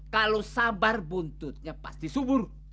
kalau sabar buntutnya pasti subur